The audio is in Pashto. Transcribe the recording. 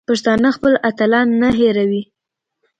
پښتانه خپل اتلان نه هېروي.